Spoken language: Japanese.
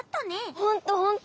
ほんとほんと。